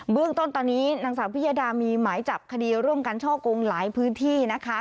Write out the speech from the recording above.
เรื่องต้นตอนนี้นางสาวพิยดามีหมายจับคดีร่วมกันช่อกงหลายพื้นที่นะคะ